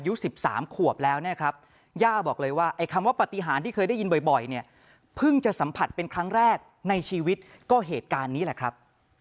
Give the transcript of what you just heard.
อายุ๑๓ขวบแล้วเนี่ยครับย่าบอกเลยว่าไอ้คำว่าปฏิหารที่เคยได้ยินบ่อยเนี่ยเพิ่งจะสัมผัสเป็นครั้งแรกในชีวิตก็เหตุการณ์นี้แหละครับ